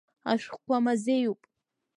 Ашәҟәқәа мазеиуп.